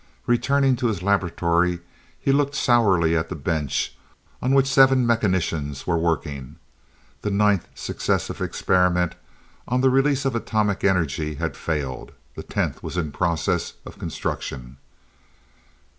Returned to his laboratory, he looked sourly at the bench on which seven mechanicians were working. The ninth successive experiment on the release of atomic energy had failed. The tenth was in process of construction.